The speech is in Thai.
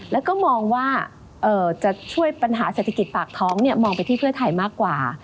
แล้วก็มองว่าจะช่วยปัญหาเศรษฐกิจปากท้องมองไปที่เพื่อไทยมากกว่า